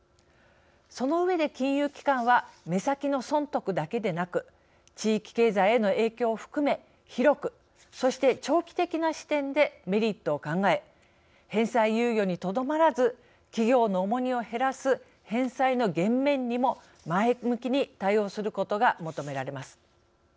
その上で金融機関は目先の損得だけでなく地域経済への影響を含め広くそして長期的な視点でメリットを考え返済猶予にとどまらず企業の重荷を減らす返済の減免にも前向きに対応することが求められます。